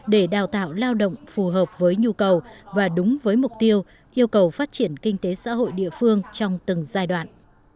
để đào tạo lao động phù hợp với nhu cầu và đúng với mục tiêu yêu cầu phát triển kinh tế xã hội địa phương trong từng giai đoạn